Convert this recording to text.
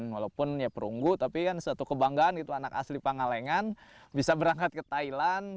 walaupun perunggu tapi satu kebanggaan anak asli pangalengan bisa berangkat ke thailand